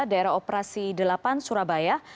daerah operasi delapan surabaya